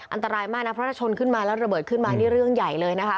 อันตรายมากนะเพราะถ้าชนขึ้นมาแล้วระเบิดขึ้นมานี่เรื่องใหญ่เลยนะคะ